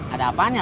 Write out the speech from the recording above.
ada apaan ya